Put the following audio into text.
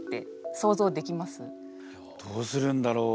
どうするんだろう？